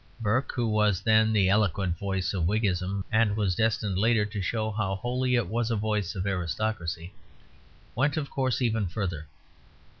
Burke, who was then the eloquent voice of Whiggism, and was destined later to show how wholly it was a voice of aristocracy, went of course even further.